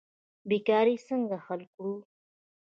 بیکاري څنګه حل کړو؟